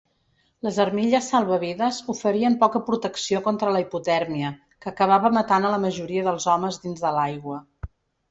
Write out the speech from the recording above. Les armilles salvavides oferien poca protecció contra la hipotèrmia, que acabava matant a la majoria dels homes dins de l'aigua.